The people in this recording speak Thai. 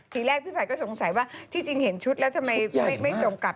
ทีแรกพี่ผัดก็สงสัยว่าที่จริงเห็นชุดแล้วทำไมไม่ส่งกลับ